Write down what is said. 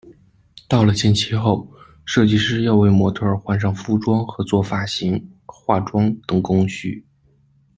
到了限期后，设计师要为模特儿换上服装和做发型、化妆等工序。